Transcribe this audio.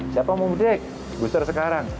siapa mau mudik booster sekarang